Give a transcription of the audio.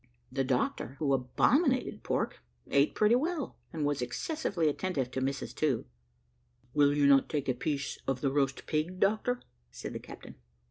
The doctor, who abominated pork, ate pretty well, and was excessively attentive to Mrs To. "Will you not take a piece of the roast pig, doctor?" said the captain.